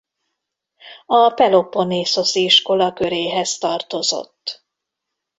A peloponnészoszi iskola köréhez tartozott.